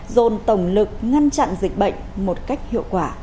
dồn tổng lực ngăn chặn dịch bệnh một cách hiệu quả